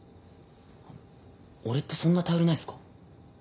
あの俺ってそんな頼りないっすか？